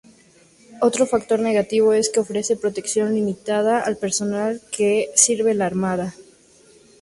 Otro factor negativo es que ofrece protección limitada al personal que sirve al arma.